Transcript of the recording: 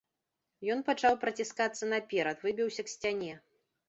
Ён пачаў праціскацца наперад, выбіўся к сцяне.